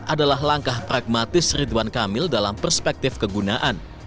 adalah langkah pragmatis ridwan kamil dalam perspektif kegunaan